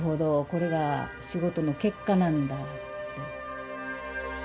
これが仕事の結果なんだ」って。